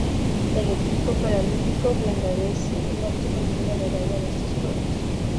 El equipo paralímpico bangladesí no obtuvo ninguna medalla en estos Juegos.